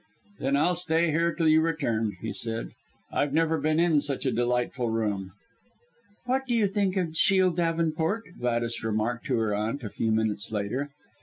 "Then I'll stay here till you return," he said, "I've never been in such a delightful room." "What do you think of Shiel Davenport?" Gladys remarked to her aunt a few minutes later.